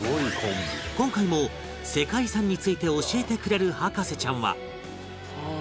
今回も世界遺産について教えてくれる博士ちゃんは